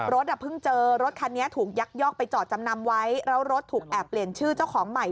เพิ่งเจอรถคันนี้ถูกยักยอกไปจอดจำนำไว้แล้วรถถูกแอบเปลี่ยนชื่อเจ้าของใหม่